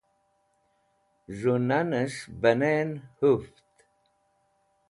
z̃hu nanes̃h banen huft